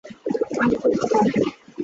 আমি করতে পারব।